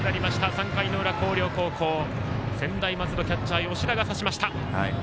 ３回の裏、広陵高校専大松戸、キャッチャー吉田が刺しました。